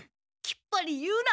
きっぱり言うな。